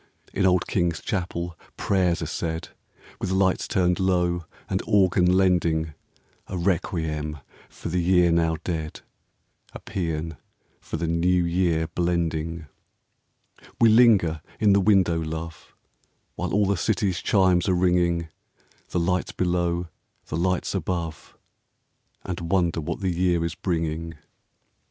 In old King's Chapel prayers are said, With lights turned low and organ lending A requiem for the year now dead, A psean for the New Year blending. We linger in the window, love, While all the city's chimes are ringing, — The lights below, the lights above, — And wonder what the year is bringing.